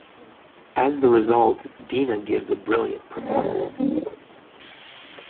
As the result, Dinah gives a brilliant performance.